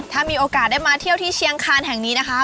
ถ้ามีโอกาสได้มาเที่ยวที่เชียงคานแห่งนี้นะคะ